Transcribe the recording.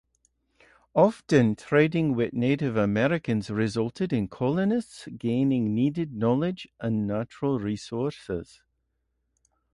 Often, trading with Native Americans resulted in colonists gaining needed knowledge and natural resources.